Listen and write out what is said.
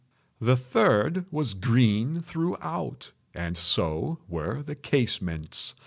The third was green throughout, and so were the casements.